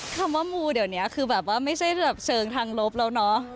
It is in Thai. คำว่ามูเดี๋ยวนี้คือแบบว่าไม่ใช่แบบเชิงทางลบแล้วเนาะ